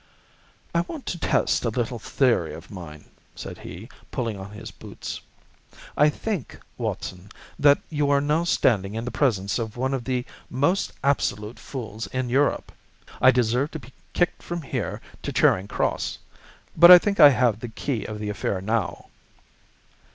"I want to test a little theory of mine," said he, pulling on his boots. "I think, Watson, that you are now standing in the presence of one of the most absolute fools in Europe. I deserve to be kicked from here to Charing Cross. But I think I have the key of the affair now."